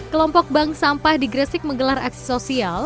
kelompok bank sampah di gresik menggelar aksi sosial